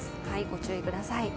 ご注意ください。